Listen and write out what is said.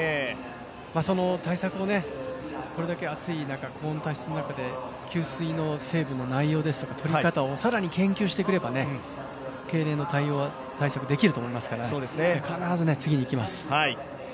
その対策をこれだけ暑い中、この中で給水の成分の内容とかとり方を更に対応してくればけいれんの対策はできると思いますから、必ず次に生きます。